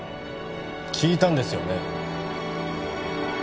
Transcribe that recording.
聞いたんですよね？